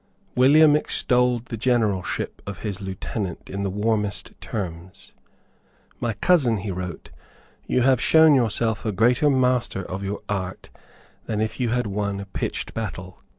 William extolled the generalship of his lieutenant in the warmest terms. "My cousin," he wrote, "you have shown yourself a greater master of your art than if you had won a pitched battle."